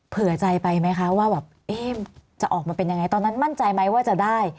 เผื่อใจไปไหมคะว่าแบบจะออกมาเป็นยังไงตอนนั้นมั่นใจไหมว่าจะได้